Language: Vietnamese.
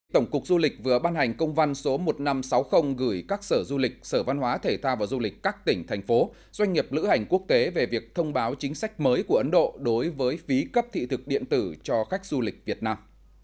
tổng cục du lịch vừa ban hành công văn số một nghìn năm trăm sáu mươi gửi các sở du lịch sở văn hóa thể thao và du lịch các tỉnh thành phố doanh nghiệp lữ hành quốc tế về việc thông báo chính sách mới của ấn độ đối với phí cấp thị thực điện tử cho khách du lịch việt nam